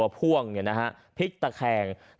พีคตะแข็ง